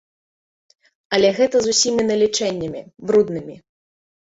Але гэта з усімі налічэннямі, бруднымі.